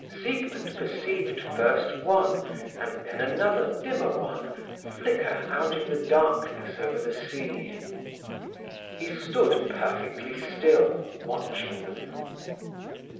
Siegmund perceived first one, and then another dimmer one, flicker out in the darkness over the sea. He stood perfectly still, watching them.